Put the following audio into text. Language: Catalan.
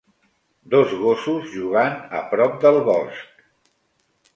Dos gossos jugant a prop del bosc.